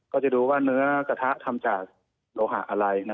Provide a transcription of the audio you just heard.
ก็จะดูว่าเนื้อกระทะทำจากโลหะอะไร